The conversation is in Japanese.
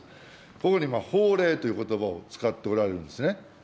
ここに法令ということばを使っておられますね。